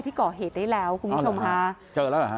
ที่ก่อเหตุได้แล้วคุณผู้ชมค่ะ